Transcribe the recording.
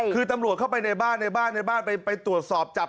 คือตำรวจเข้าไปในบ้านในบ้านในบ้านไปตรวจสอบจับ